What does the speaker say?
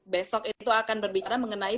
besok itu akan berbicara mengenai